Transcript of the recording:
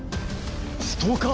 ストーカー！？